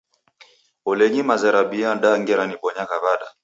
Olenyi maza rabia da ngera nibonyagha w'ada!